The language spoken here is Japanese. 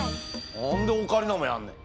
何でオカリナもやんねん！